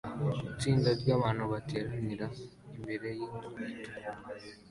Itsinda ryabantu bateranira imbere yinzu itukura